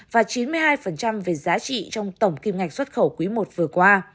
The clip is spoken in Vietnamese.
và chín mươi hai về giá trị trong tổng kim ngạch xuất khẩu quý i vừa qua